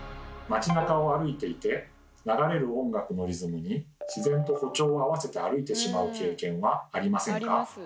街なかを歩いていて流れる音楽のリズムに自然と歩調を合わせて歩いてしまう経験はありませんか？